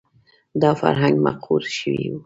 دا فرهنګ مقهور شوی و